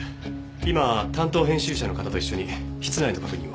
今担当編集者の方と一緒に室内の確認を。